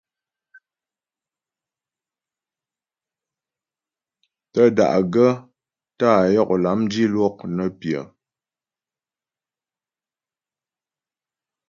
Tə́ da'gaə́ tá'a yɔk lâm dilwɔk nə́ pyə.